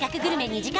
２時間